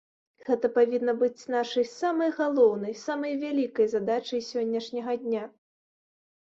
Гэта павінна быць нашай самай галоўнай, самай вялікай задачай сённяшняга дня.